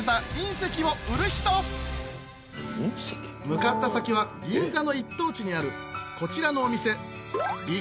向かった先は銀座の一等地にあるこちらのお店